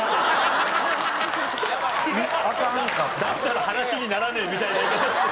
だったら話にならねえみたいな言い方して。